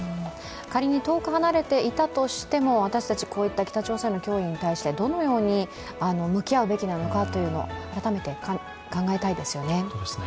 仮に遠く離れていたとしても、私たちは北朝鮮の脅威に対してどのように向き合うべきか、改めて考えたいですよね。